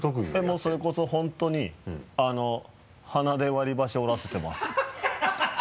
もうそれこそ本当に鼻で割り箸折らせてます。